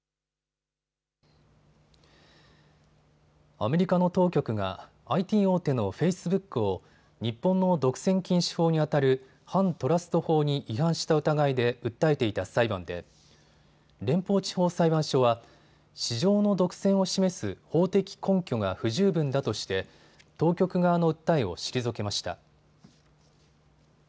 アメリカの当局がＩＴ大手のフェイスブックを日本の独占禁止法にあたる反トラスト法に違反した疑いで訴えていた裁判で連邦地方裁判所は市場の独占を示す法的根拠が不十分だとして当局側の訴えを退けました。